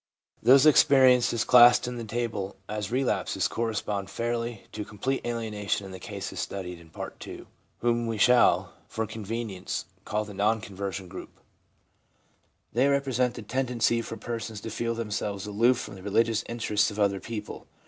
Those experiences classed in the table as relapses correspond fairly to complete alienation in the cases studied in Part II., whom we shall, for con venience, call the non conversion group. They represent the tendency for persons to feel themselves aloof from the religious interests of other people.